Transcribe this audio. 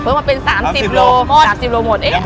เพิ่มมาเป็น๓๐โล